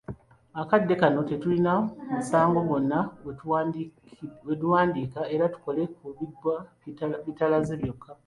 Akadde kano tetulina musango gwonna gwe tuwandiika era tukola ku bigwa bitalaze byokka.